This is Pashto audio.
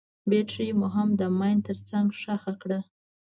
بټرۍ مو هم د ماين تر څنګ ښخه کړه.